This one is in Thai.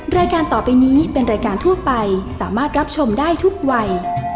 รายการต่อไปนี้เป็นรายการทั่วไปสามารถรับชมได้ทุกวัย